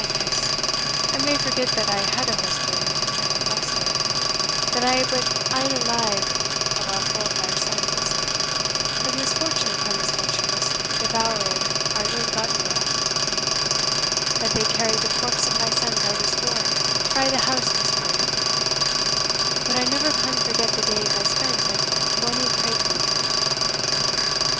yes I may forget that I had a husband and have lost him that I hae but ane alive of our four fair sons that misfortune upon misfortune has devoured our ill gotten wealth that they carried the corpse of my son's eldest born frae the house this morning But I never can forget the days I spent at bonny Craigburnfoot!"